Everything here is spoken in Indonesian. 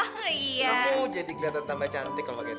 kamu jadi kelihatan tambah cantik kalau begitu